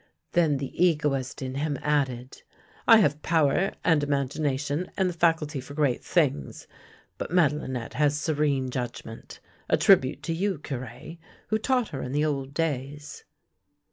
Then the egoist in him added: " I have power and imagination and the faculty for great things; but Madelinette has serene judgment — a tribute to you. Cure, who taught her in the old days."